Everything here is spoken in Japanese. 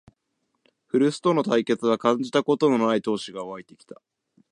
古巣との対決は感じたことのない闘志がわいてきた